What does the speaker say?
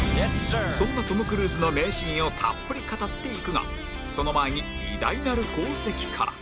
そんなトム・クルーズの名シーンをたっぷり語っていくがその前に偉大なる功績から